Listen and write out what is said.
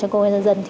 cho công an dân dân